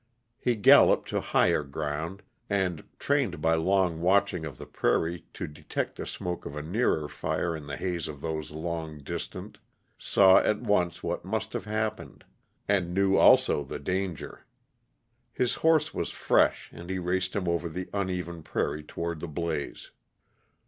He galloped to higher ground, and, trained by long watching of the prairie to detect the smoke of a nearer fire in the haze of those long distant, saw at once what must have happened, and knew also the danger. His horse was fresh, and he raced him over the uneven prairie toward the blaze.